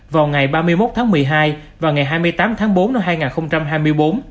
vào ngày ba mươi một tháng một mươi hai và ngày hai mươi tám tháng bốn năm hai nghìn hai mươi bốn